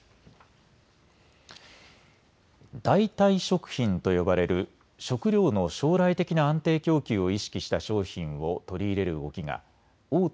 代替食品と呼ばれる食料の将来的な安定供給を意識した商品を取り入れる動きが大手